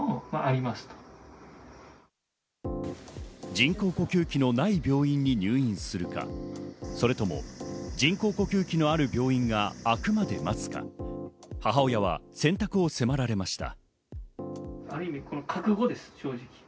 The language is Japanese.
人工呼吸器のない病院に入院するか、それとも人工呼吸器のある病院が空くまで待つか、母親は選択を迫られました。